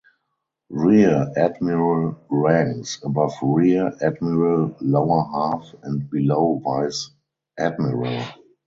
Rear admiral ranks above rear admiral (lower half) and below vice admiral.